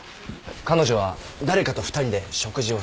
彼女は誰かと２人で食事をしていた。